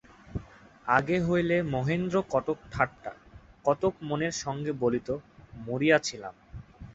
আগে হইলে মহেন্দ্র কতক ঠাট্টা, কতক মনের সঙ্গে বলিত, মরিয়া ছিলাম।